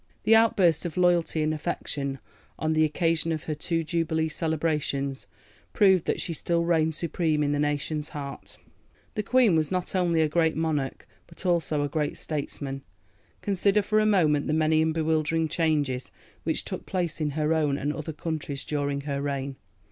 The outburst of loyalty and affection on the occasion of her two Jubilee celebrations proved that she still reigned supreme in the nation's heart. The Queen was not only a great monarch, but also a great statesman. Consider for a moment the many and bewildering changes which took place in her own and other countries during her reign.